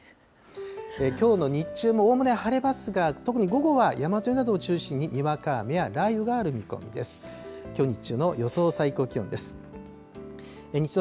きょうの日中もおおむね晴れますが、特に午後は山沿いなどを中心ににわか雨や雷雨がある見込みです。